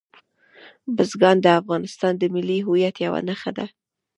بزګان د افغانستان د ملي هویت یوه نښه ده.